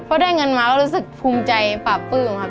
พอได้เงินมาก็รู้สึกภูมิใจปราบปลื้มครับ